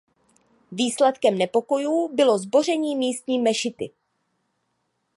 Výsledkem nepokojů bylo zboření místní mešity.